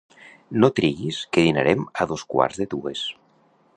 No triguis que dinarem a dos quarts de dues